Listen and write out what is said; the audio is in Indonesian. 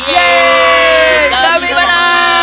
yeay kami kemana